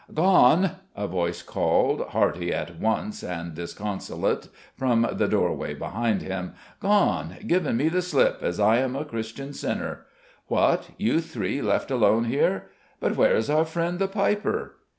"Gone!" a voice called, hearty at once and disconsolate, from the doorway behind him. "Gone given me the slip, as I am a Christian sinner. What? You three left alone here? But where is our friend the piper?"